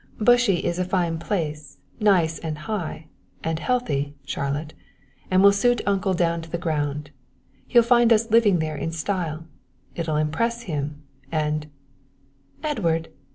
"Bushey is a fine place, nice and high, and healthy, Charlotte, and will suit uncle down to the ground. He'll find us living there in style it'll impress him and " "Edward!